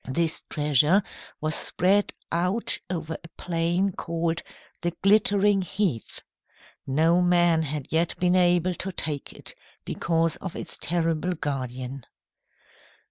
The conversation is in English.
This treasure was spread out over a plain called the Glittering Heath. No man had yet been able to take it, because of its terrible guardian.